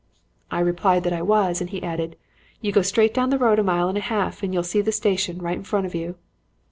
"I replied that I was, and he added, 'You go straight down the road a mile and a half and you'll see the station right in front of you.'